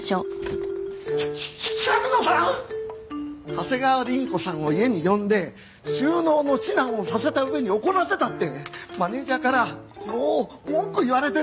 長谷川凛子さんを家に呼んで収納の指南をさせた上に怒らせたってマネージャーからもう文句言われてるんですよ！